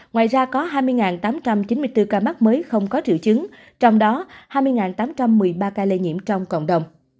ngoài ra có hai mươi tám trăm chín mươi bốn ca mắc mới không có triệu chứng trong đó hai mươi tám trăm một mươi ba ca lây nhiễm trong cộng đồng